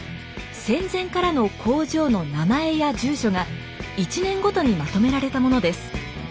戦前からの工場の名前や住所が１年ごとにまとめられたものです。